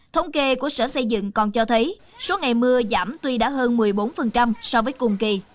thống kê của sở xây dựng còn cho thấy số ngày mưa giảm tuy đã hơn một mươi bốn so với cùng kỳ